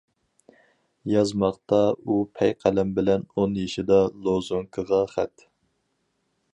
يازماقتا ئۇ پەي قەلەم بىلەن ئون يېشىدا لوزۇنكىغا خەت.